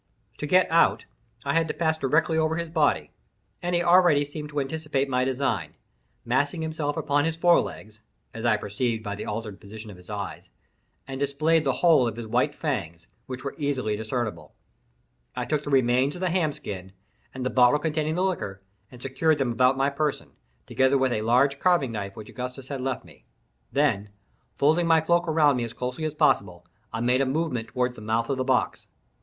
To get out, I had to pass directly over his body, and he already seemed to anticipate my design—missing himself upon his fore legs (as I perceived by the altered position of his eyes), and displayed the whole of his white fangs, which were easily discernible. I took the remains of the ham skin, and the bottle containing the liqueur, and secured them about my person, together with a large carving knife which Augustus had left me—then, folding my cloak around me as closely as possible, I made a movement toward the mouth of the box.